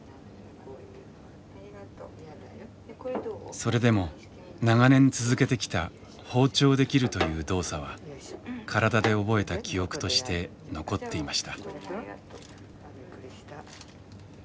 それでも長年続けてきた包丁で切るという動作は体で覚えた記憶として残っていました。